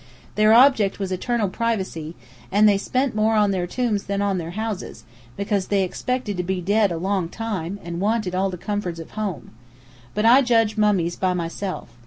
Their object was eternal privacy, and they spent more on their tombs than their houses, because they expected to be dead a long tune, and wanted all the comforts of home. But I judge mummies by myself.